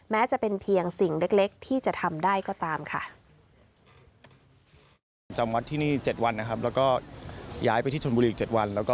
แม้จะเป็นเพียงสิ่งเล็กที่จะทำได้ก็ตามค่ะ